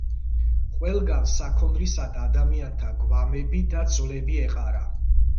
ყველგან საქონლისა და ადამიანთა გვამები და ძვლები ეყარა.